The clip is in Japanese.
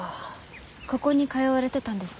ここに通われてたんですか？